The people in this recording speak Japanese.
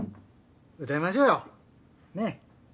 歌いましょうよねぇ！